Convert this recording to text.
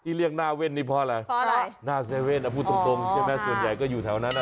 ที่เรียกหน้าเว้นนี่เพราะอะไรอ่ะพูดตรงส่วนใหญ่ก็อยู่แถวนั้น